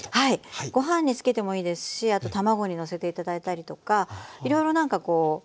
ご飯につけてもいいですしあと卵にのせて頂いたりとかいろいろ何かこう途中でね本人の好みで。